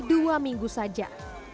dua minggu saja